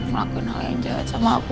melakukan hal yang jahat sama aku